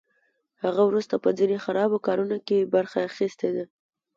هغه وروسته په ځینو خرابو کارونو کې برخه اخیستې ده